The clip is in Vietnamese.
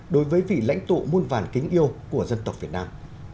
đối với vị lãnh tụ muôn vàn kính yêu của dân tộc việt nam